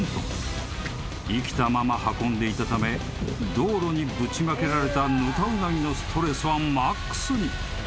［生きたまま運んでいたため道路にぶちまけられたヌタウナギのストレスはマックスに］